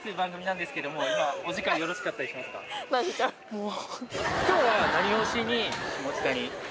もう。